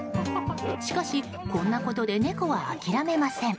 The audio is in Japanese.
しかし、こんなことで猫は諦めません。